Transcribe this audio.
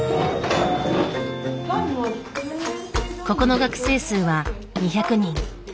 ここの学生数は２００人。